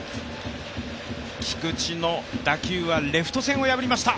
菊池の打球はレフト線を破りました。